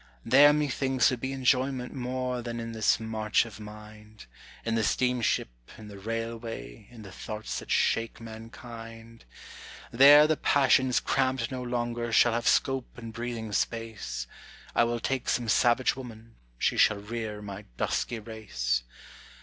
There, methinks, would be enjoyment more than in this march of mind In the steamship, in the railway, in the thoughts that shake mankind. There the passions, cramped no longer, shall have scope and breathing space; I will take some savage woman, she shall rear my dusky race.